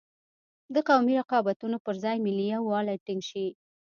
د قومي رقابتونو پر ځای ملي یوالی ټینګ شي.